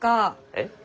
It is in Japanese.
えっ？